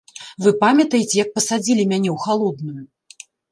Вы памятаеце, як пасадзілі мяне ў халодную.